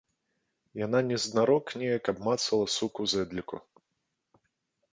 Яна незнарок неяк абмацала сук у зэдліку.